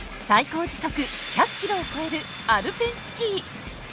最高時速１００キロを超えるアルペンスキー。